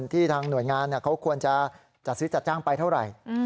ทางหน่วยงานเขาควรจะจัดซื้อจัดจ้างไปเท่าไหร่